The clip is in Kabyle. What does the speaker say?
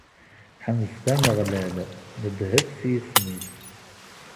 Ḥemdet Ameɣlal, nedhet s yisem-is.